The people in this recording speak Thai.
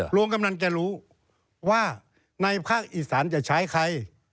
ลุงกำนันก็รู้ว่าในภาคอิสันจะใช้ใคร